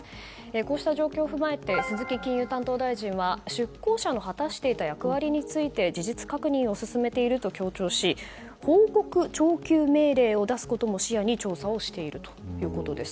こうした状況を踏まえて鈴木金融担当大臣は出向者の果たしていた役割について事実確認を進めていると強調し報告懲求命令を出すことも調査をしているということです。